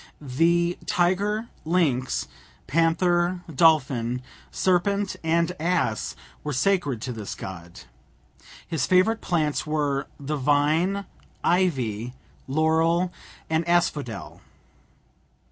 The tiger, lynx, panther, dolphin, serpent, and ass were sacred to this god. His favourite plants were the vine, ivy, laurel, and asphodel.